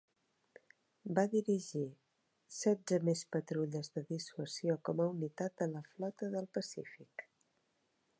Va dirigir setze més patrulles de dissuasió com a unitat de la flota del Pacífic.